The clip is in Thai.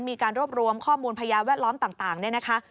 มีการรวบรวมข้อมูลพญาแวดล้อมต่างเนี่ยนะคะ